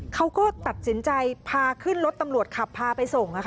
เขาก็ตัดสินใจพาขึ้นรถตำรวจขับพาไปส่ง